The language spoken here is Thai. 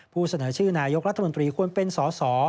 ผู้เสนอชื่อนายกรัฐมนตรีควรเป็นสอสอ